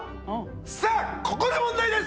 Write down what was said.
さあここで問題です！